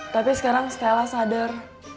tapi sekarang stella sadar